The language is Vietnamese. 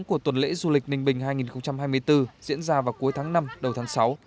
của tuần lễ du lịch ninh bình hai nghìn hai mươi bốn diễn ra vào cuối tháng năm đầu tháng sáu